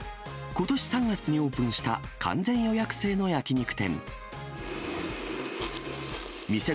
ことし３月にオープンした完全予約制の焼き肉店。